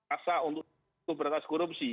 asa untuk beratas korupsi